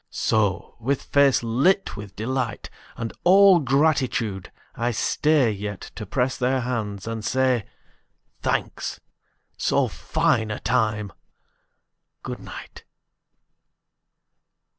So, with face lit with delight And all gratitude, I stay Yet to press their hands and say, "Thanks. So fine a time ! Good night.